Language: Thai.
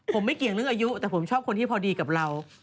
ผมไม่เกี่ยงเรื่องอายุแต่ผมชอบคนที่พอดีกับเรา